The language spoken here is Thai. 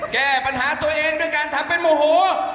แก้ปัญหาตัวเองด้วยการทำเป็นโมโห